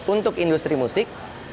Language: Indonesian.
untuk industri musik